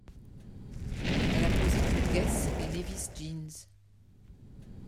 Elle a posé pour Guess et Levi's Jeans.